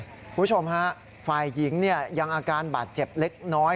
คุณผู้ชมฮะฝ่ายหญิงเนี่ยยังอาการบาดเจ็บเล็กน้อย